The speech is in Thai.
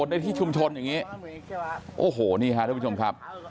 ในที่ชุมชนอย่างนี้โอ้โหนี่ฮะทุกผู้ชมครับ